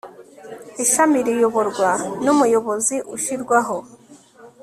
ishami riyoborwa n umuyobozi ushyirwaho